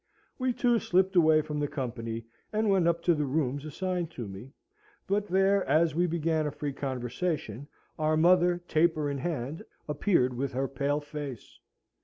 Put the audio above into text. We two slipped away from the company, and went up to the rooms assigned to me: but there, as we began a free conversation, our mother, taper in hand, appeared with her pale face.